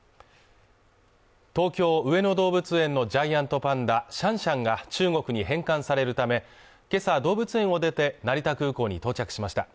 東京上野動物園のジャイアントパンダシャンシャンが中国に返還されるため今朝動物園を出て成田空港に到着しました。